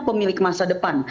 pemilik masa depan